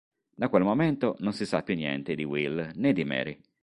Da quel momento non si sa più niente di Will né di Mary.